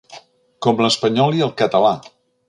Com l'espanyol i el català.